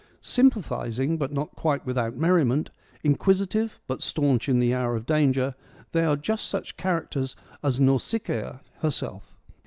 Sympathising, but not quite without merriment ; inquisitive, but staunch in the hour of danger ; they are just such characters as Nausicaa herself.